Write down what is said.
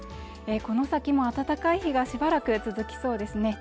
この先も暖かい日がしばらく続きそうです